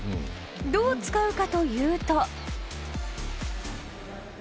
どう使うかというと。